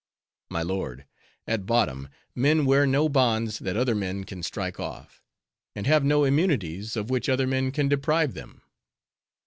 "My lord, at bottom, men wear no bonds that other men can strike off; and have no immunities, of which other men can deprive them.